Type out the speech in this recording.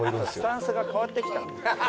「スタンスが変わってきた」